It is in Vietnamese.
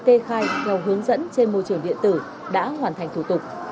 kê khai theo hướng dẫn trên môi trường điện tử đã hoàn thành thủ tục